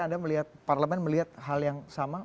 anda melihat parlemen melihat hal yang sama